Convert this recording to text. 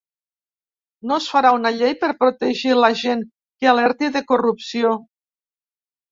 No es farà una llei per protegir a la gent que alerti de corrupció